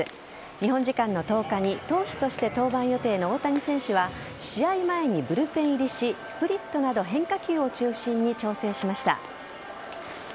日本時間の１０日に投手として登板予定の大谷選手は試合前にブルペン入りしスプリットなど変化球を中心に調整しました。